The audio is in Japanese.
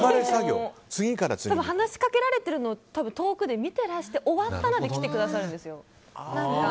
話しかけられてるのを遠くで見てらして終わったらで来てくださるんです。